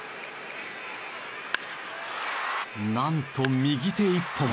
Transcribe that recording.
なんと右手一本。